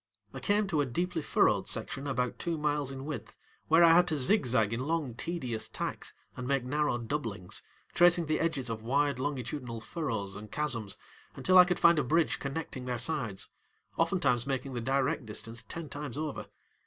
I came to a deeply furrowed section about two miles in width where I had to zigzag in long, tedious tacks and make narrow doublings, tracing the edges of wide longitudinal furrows and chasms until I could find a bridge connecting their sides, oftentimes making the direct distance ten times over.